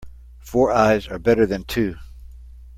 Four eyes are better than two.